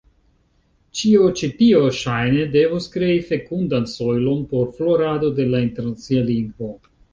Ĉio ĉi tio, ŝajne, devus krei fekundan sojlon por florado de la internacia lingvo.